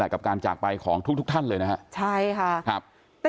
กับการจากไปของทุกท่านเลยนะครับ